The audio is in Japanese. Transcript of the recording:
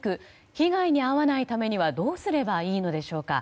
被害に遭わないためにはどうすればいいのでしょうか。